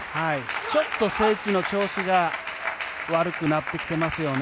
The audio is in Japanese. ちょっとセーチの調子が悪くなってきてますよね。